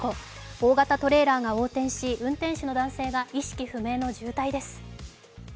大型トレーラーが横転し、運転手の男性が意識不明の重体です。